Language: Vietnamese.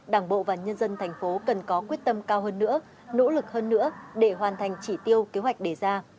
đảng bộ và nhân dân thành phố cần có quyết tâm cao hơn nữa nỗ lực hơn nữa để hoàn thành chỉ tiêu kế hoạch đề ra